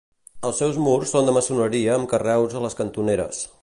Els seus murs són de maçoneria amb carreus a les cantoneres.